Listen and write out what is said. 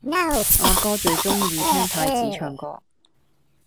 阿哥最鍾意聽太子唱歌